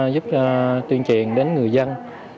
giúp tuyên truyền đến người dân